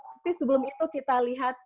tapi sebelum itu kita lihat